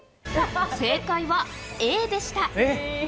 正解は、Ａでした。